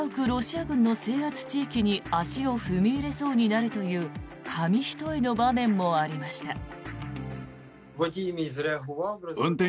ロシア軍の制圧地域に足を踏み入れそうになるという紙一重の場面もありました。